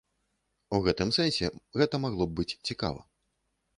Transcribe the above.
У гэтым сэнсе гэта магло б быць цікава.